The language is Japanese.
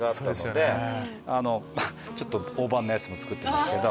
ちょっと大判なやつも作ってますけど。